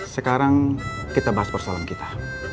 sekarang kita bahas persoalan kita